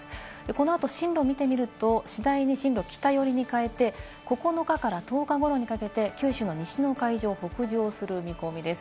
このあとの進路を見てみると、次第に進路を北寄りに変えて、９日から１０日ごろにかけて九州の西の海上を北上する見込みです。